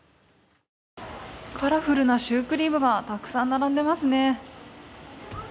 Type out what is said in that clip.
カラフルなシュークリームがたくさん並んでいますね。